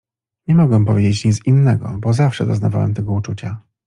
— Nie mogę powiedzieć nic innego… bo zawsze doznawałem tego uczucia.